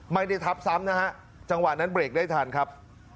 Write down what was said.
ไม่ได้ทับซ้ำนะฮะจังหวะนั้นเบรกได้ทันครับ